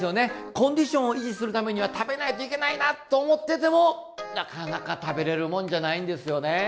コンディションを維持するためには食べないといけないなと思っててもなかなか食べれるもんじゃないんですよね。